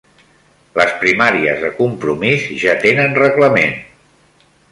Les primàries de Compromís ja tenen reglament